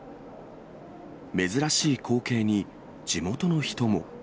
珍しい光景に地元の人も。